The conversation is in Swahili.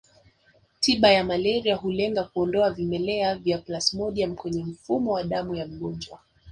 Tiba ya malaria hulenga kuondoa vimelea vya plasmodium kwenye mfumo wa damu ya mgonjwa